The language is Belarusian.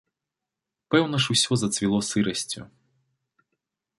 Пэўна ж усё зацвіло сырасцю.